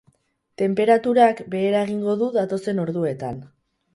Tenperaturak behera egingo du datozen orduetan.